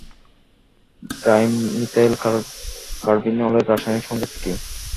Dimethyl কার্বিনলের রাসায়নিক সংকেত কী?